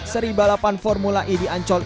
seri balapan formula e di ancol